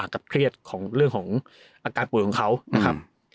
กับเครียดของเรื่องของอาการป่วยของเขานะครับ